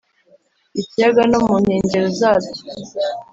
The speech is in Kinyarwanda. ikiyaga no mu nkengero zabyo